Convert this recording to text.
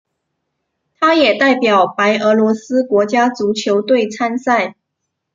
他也代表白俄罗斯国家足球队参赛。